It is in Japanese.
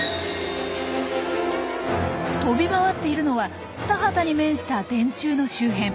飛び回っているのは田畑に面した電柱の周辺。